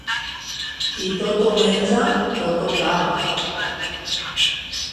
Qui tot ho menja, tot ho caga.